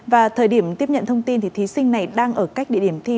và thời điểm tiếp nhận thông tin thì thí sinh này đang ở cách địa điểm thi